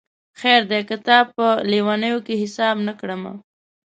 خیر دی که تا په لېونیو کي حساب نه کړمه